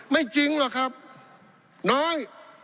จริงหรอกครับน้อย